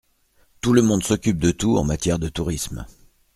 Tout le monde s’occupe de tout en matière de tourisme.